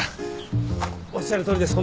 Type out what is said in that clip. おっしゃるとおりです。